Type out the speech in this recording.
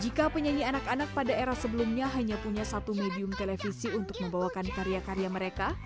jika penyanyi anak anak pada era sebelumnya hanya punya satu medium televisi untuk membawakan karya karya mereka